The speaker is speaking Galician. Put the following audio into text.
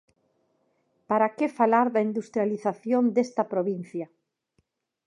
¡Para que falar da industrialización desta provincia!